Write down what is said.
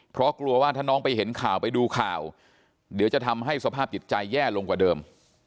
เพราะกลัวว่าถ้าน้องไปเห็นข่าวไปดูข่าวเดี๋ยวจะทำให้สภาพจิตใจแย่ลงกว่าเดิม